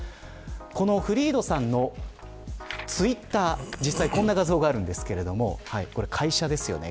このフリードさんのツイッター、実はこんな画像があるんですけどこれ会社ですよね。